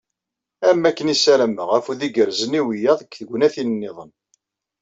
Am wakken i ssarameɣ, afud igerrzen, i wiyaḍ deg tegnatin-nniḍen».